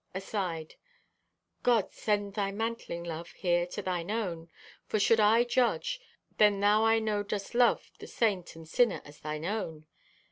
(Aside) "God, send Thy mantling love here to Thine own! For should I judge, when Thou I know dost love the saint and sinner as Thine own?